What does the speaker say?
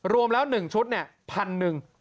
รวมแล้ว๑ชุดเนี่ย๑๐๐๐บาท